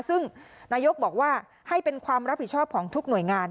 ซึ่งนายกบอกว่าให้เป็นความรับผิดชอบของทุกหน่วยงาน